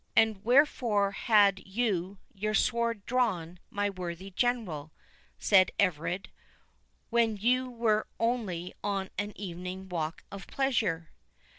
"And wherefore had you your sword drawn, my worthy General," said Everard, "when you were only on an evening walk of pleasure?"